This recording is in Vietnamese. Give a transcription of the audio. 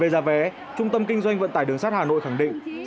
về giá vé trung tâm kinh doanh vận tải đường sắt hà nội khẳng định